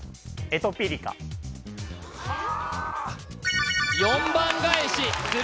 エトピリカああ